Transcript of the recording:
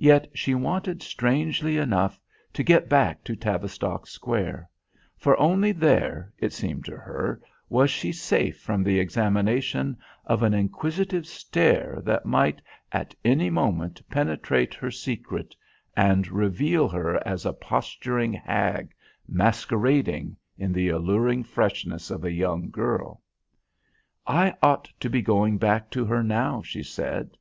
Yet she wanted strangely enough, to get back to Tavistock Square; for only there, it seemed to her, was she safe from the examination of an inquisitive stare that might at any moment penetrate her secret and reveal her as a posturing hag masquerading in the alluring freshness of a young girl. "I ought to be going back to her now," she said.